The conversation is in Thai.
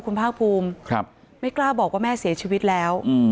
คุณภาคภูมิไม่กล้าบอกว่าแม่เสียชีวิตแล้ว